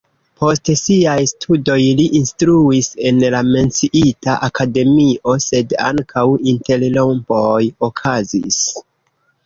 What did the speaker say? Post siaj studoj li instruis en la menciita akademio, sed ankaŭ interrompoj okazis.